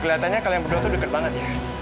keliatannya kalian berdua tuh deket banget ya